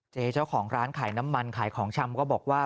เจ้าของร้านขายน้ำมันขายของชำก็บอกว่า